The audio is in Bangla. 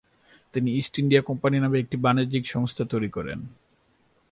তিনি ইস্ট ইন্ডিয়া কোম্পানি নামে একটি বাণিজ্যিক সংস্থা তৈরি করেন।